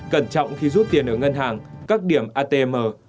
cẩn trọng khi rút tiền ở ngân hàng các điểm atm